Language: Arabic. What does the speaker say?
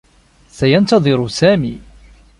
سينتظر سامي.